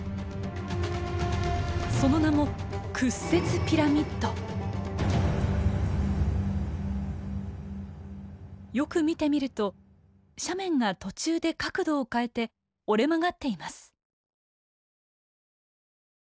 その名もよく見てみると斜面が途中で角度を変えて折れ曲がっています。